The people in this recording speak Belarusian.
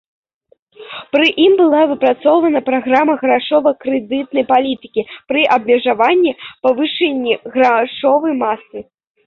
Пры ім была выпрацавана праграма грашова-крэдытнай палітыкі пры абмежаваным павышэнні грашовай масы.